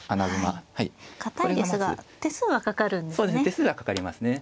手数がかかりますね。